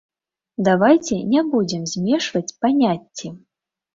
Давайце не будзем змешваць паняцці.